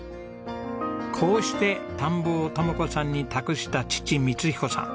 こうして田んぼを智子さんに託した父光彦さん。